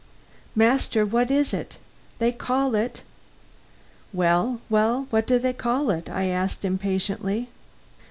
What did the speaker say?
Master, what is it? They call it " "Well, well, what do they call it?" I asked impatiently.